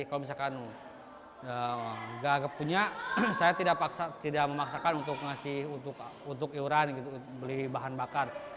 kalau misalkan nggak punya saya tidak memaksakan untuk ngasih untuk iuran gitu beli bahan bakar